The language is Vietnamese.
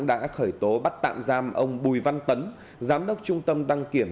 đã khởi tố bắt tạm giam ông bùi văn tấn giám đốc trung tâm đăng kiểm